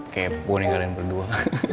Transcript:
kayak gue ninggalin berdua